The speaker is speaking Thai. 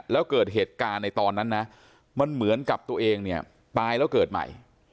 แล้วเกิดเหตุการณ์ในตอนนั้นนะมันเหมือนกับตัวเองเนี่ยตายแล้วเกิดใหม่